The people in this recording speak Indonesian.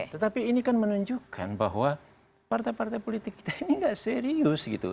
tetapi ini kan menunjukkan bahwa partai partai politik kita ini nggak serius gitu